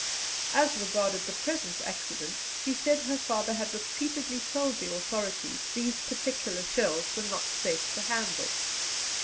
As regarded the present accident, she said her father had repeatedly told the authorities these particular shells were not safe to handle.